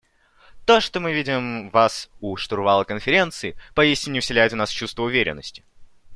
То, что мы видим вас у штурвала Конференции, поистине вселяет в нас чувство уверенности.